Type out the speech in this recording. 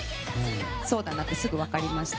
そうだなってすぐ分かりました。